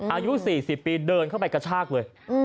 อายุ๔๐ปีเดินเข้าไปกระชากเลย